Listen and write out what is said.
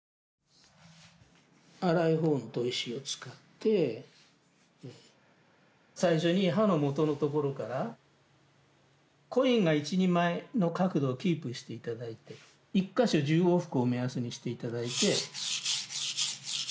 粗い方の砥石を使って最初に刃の元の所からコインが１２枚の角度をキープして頂いて１か所１０往復を目安にして頂いて。